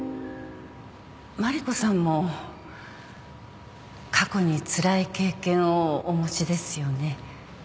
麻里子さんも過去につらい経験をお持ちですよね？